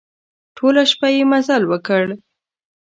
ټوله شپه يې مزل وکړ.